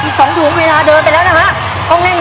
เดี๋ยวให้ร้องบอกให้แตกก่อนนะ